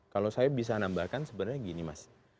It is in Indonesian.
kalau saya bisa menambahkan sebenarnya begini mas